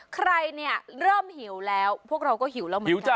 ใครเนี่ยเริ่มหิวแล้วพวกเราก็หิวแล้วเหมือนกัน